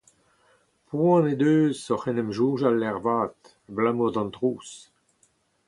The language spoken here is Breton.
Poan he deus oc’h en em soñjal ervat, abalamour d’an trouz.